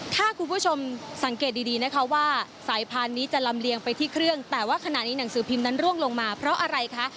ถ้าคุณผู้ชมสังเกตดีนะคะว่าสายพานนี้จะลำเลียงไปที่เครื่องแต่ว่าขณะนี้หนังสือพิมพ์นั้นร่วงลงมาเพราะอะไรคะ